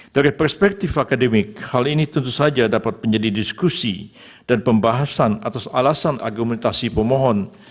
dari perspektif akademik hal ini tentu saja dapat menjadi diskusi dan pembahasan atas alasan argumentasi pemohon